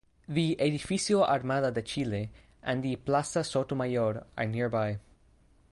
The Edificio Armada de Chile and the Plaza Sotomayor are nearby.